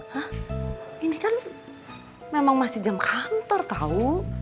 hah ini kan memang masih jam kantor tau